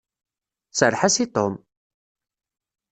Serreḥ-as i Tom!